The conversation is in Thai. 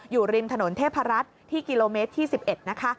อยู่ริมถนนเทพรัฐที่กิโลเมตรที่๑๑นะคะ